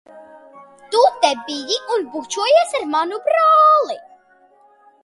Tu te biji un bučojies ar manu brāli!